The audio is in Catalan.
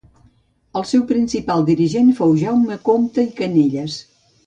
El seu principal dirigent fou Jaume Compte i Canelles.